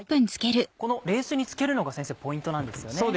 この冷水につけるのがポイントなんですよね？